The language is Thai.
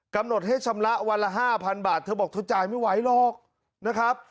กำหนดให้ชำระวันละ๕๐๐บาทเธอบอกเธอจ่ายไม่ไหวหรอกนะครับ